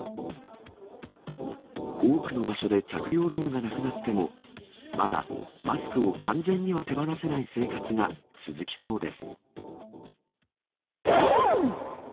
多くの場所で着用義務がなくなっても、まだマスクを完全には手放せない生活が続きそうです。